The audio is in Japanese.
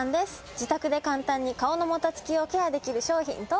自宅で簡単に顔のもたつきをケアできる商品とは？